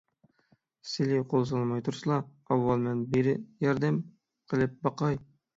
سىلى قول سالماي تۇرسىلا، ئاۋۋال مەن بىر ياردەم قىلىپ باقاي.